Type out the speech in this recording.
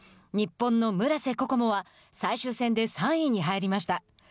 日本の村瀬心椛は最終戦で３位に入りました。